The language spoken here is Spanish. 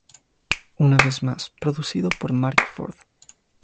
Una vez más, producido por Marc Ford.